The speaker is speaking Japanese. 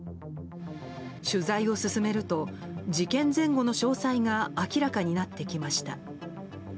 取材を進めると事件前後の詳細が明らかになってきました。